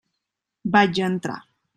Vaig entrar.